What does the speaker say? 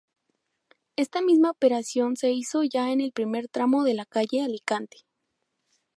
Esta misma operación se hizo ya en el primer tramo de la calle Alicante.